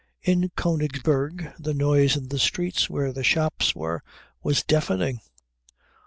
In Königsberg the noise in the streets where the shops were was deafening.